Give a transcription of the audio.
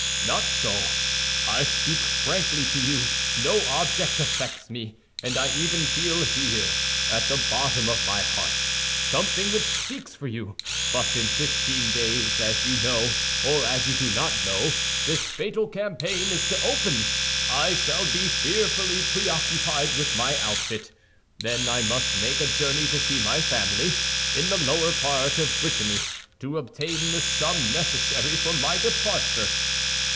"Not so; I speak frankly to you. No object affects me; and I even feel here, at the bottom of my heart, something which speaks for you. But in fifteen days, as you know, or as you do not know, this fatal campaign is to open. I shall be fearfully preoccupied with my outfit. Then I must make a journey to see my family, in the lower part of Brittany, to obtain the sum necessary for my departure."